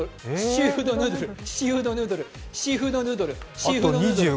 シーフードヌードルシーフードヌードルいいよ。